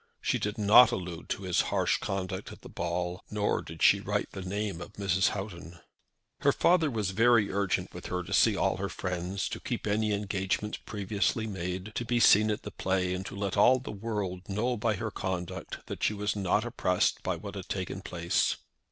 She did not allude to his harsh conduct at the ball, nor did she write the name of Mrs. Houghton. Her father was very urgent with her to see all her friends, to keep any engagements previously made, to be seen at the play, and to let all the world know by her conduct that she was not oppressed by what had taken place.